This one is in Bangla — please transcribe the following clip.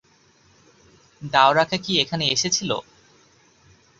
দাওরাকা কি এখানে এসেছিল?